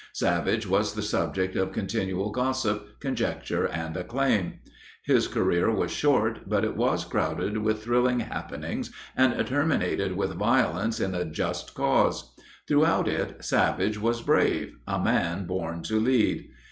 Savage was the subject of continual gossip, conjecture, and acclaim. His career was short, but it was crowded with thrilling happenings and terminated with violence in a just cause. Throughout it, Savage was brave—a man born to lead.